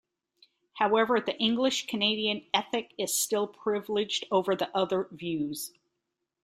However, the English Canadian ethic is still privileged over the other views.